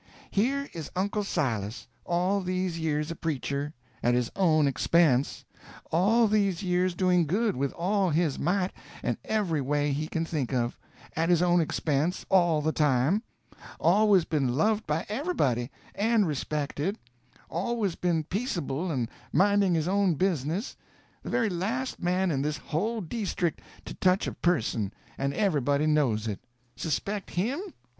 Here is Uncle Silas, all these years a preacher—at his own expense; all these years doing good with all his might and every way he can think of—at his own expense, all the time; always been loved by everybody, and respected; always been peaceable and minding his own business, the very last man in this whole deestrict to touch a person, and everybody knows it. Suspect _him?